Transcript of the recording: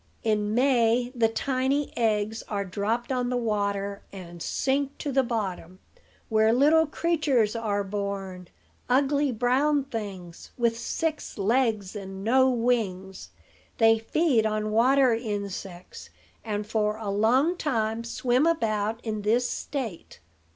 In May the tiny eggs are dropped on the water, and sink to the bottom, where little creatures are born, ugly, brown things, with six legs and no wings. They feed on water insects, and for a long time swim about in this state.